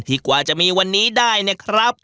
กว่าจะมีวันนี้ได้เนี่ยครับ